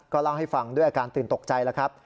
เล่าให้ฟังด้วยอาการตื่นตกใจแล้วครับ